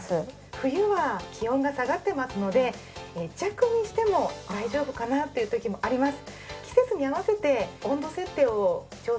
冬は気温が下がってますので「弱」にしても大丈夫かなという時もあります。